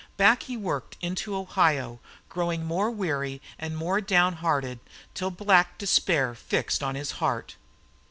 Back he worked into Ohio, growing more weary, more down hearted, till black despair fixed on his heart.